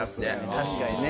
確かにね。